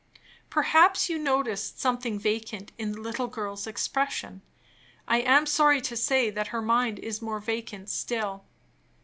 Perhaps you noticed something vacant in the little girl's expression. I am sorry to say that her mind is more vacant still.